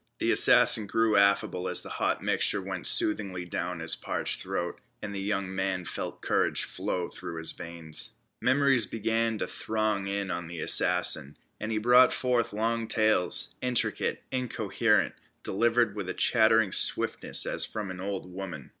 The assassin grew affable as the hot mixture went soothingly down his parched throat, and the young man felt courage flow in his veins. Memories began to throng in on the assassin, and he brought forth long tales, intricate, incoherent, delivered with a chattering swiftness as from an old woman.